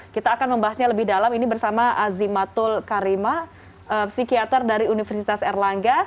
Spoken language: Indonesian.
kita akan membahasnya lebih dalam ini bersama azimatul karima psikiater dari universitas erlangga